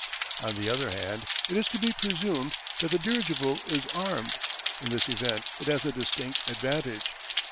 On the other hand, it is to be presumed that the dirigible is armed. In this event it has a distinct advantage.